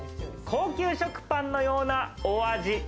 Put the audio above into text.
高級食パンのようなお味。